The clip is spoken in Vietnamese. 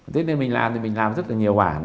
thế nên mình làm thì mình làm rất là nhiều bản